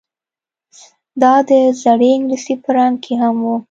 دا د زړې انګلیسي په رنګ کې هم وه